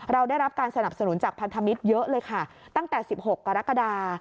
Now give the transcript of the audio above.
เราได้รับการสนับสนุนจากพันธมิตรเยอะเลยค่ะตั้งแต่๑๖กรกฎา